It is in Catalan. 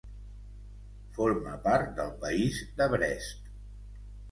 Forma part del País de Brest.